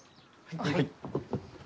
はい。